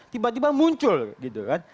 tiba tiba muncul gitu kan